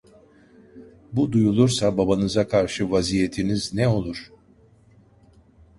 Bu duyulursa babanıza karşı vaziyetiniz ne olur!